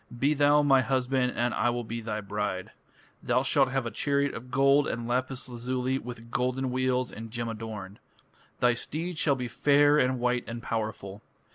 Be thou my husband and I will be thy bride. Thou shalt have a chariot of gold and lapis lazuli with golden wheels and gem adorned. Thy steeds shall be fair and white and powerful.